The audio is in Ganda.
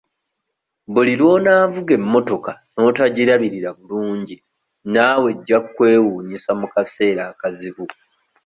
Buli lw'onaavuga emmotoka n'otagirabirira bulungi naawe eggya kkwewuunyisa mu kaseera akazibu.